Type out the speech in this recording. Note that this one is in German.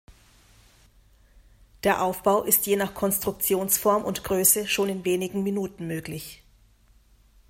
Der Aufbau ist je nach Konstruktionsform und Größe schon in wenigen Minuten möglich.